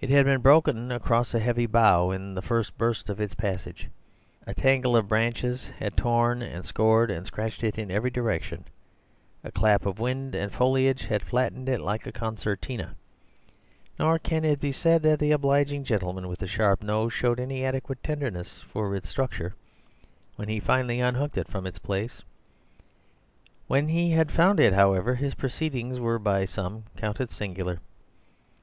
It had been broken across a heavy bough in the first burst of its passage, a tangle of branches in torn and scored and scratched it in every direction, a clap of wind and foliage had flattened it like a concertina; nor can it be said that the obliging gentleman with the sharp nose showed any adequate tenderness for its structure when he finally unhooked it from its place. When he had found it, however, his proceedings were by some counted singular.